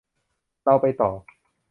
เราไปต่อ